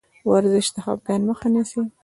ورزش د خفګان مخه نیسي.